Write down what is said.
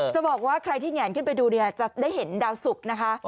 จะบอกว่าใครที่แงนขึ้นไปดูเนี่ยจะได้เห็นดาวสุกนะคะ